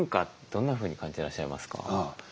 どんなふうに感じてらっしゃいますか？